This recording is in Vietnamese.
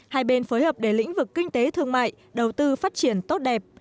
hai bên phối hợp để lĩnh vực kinh tế thương mại đầu tư phát triển tốt đẹp